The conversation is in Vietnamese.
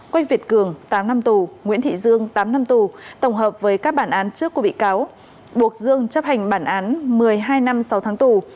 quách việt cường tám năm tù nguyễn thị dương tám năm tù tổng hợp với các bản án trước của bị cáo buộc dương chấp hành bản án một mươi hai năm sáu tháng tù